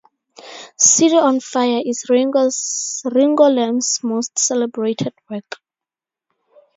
"City on Fire" is Ringo Lam's most celebrated work.